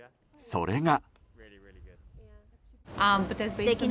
それが。